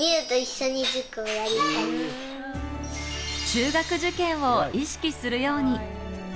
中学受験を意識するように。